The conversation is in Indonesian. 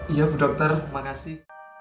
iya bu dokter makasih